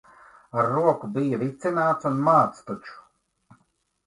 Ar roku bija vicināts un māts taču.